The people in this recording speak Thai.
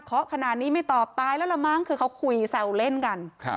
เขาขนาดนี้ไม่ตอบตายแล้วละมั้งคือเขาคุยแซวเล่นกัน